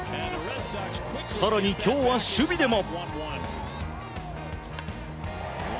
更に今日は守備でも。